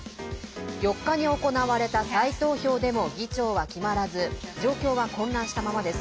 ４日に行われた再投票でも議長は決まらず状況は混乱したままです。